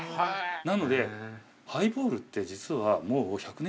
なのでハイボールって実はもう１００年